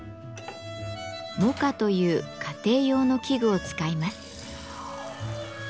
「モカ」という家庭用の器具を使います。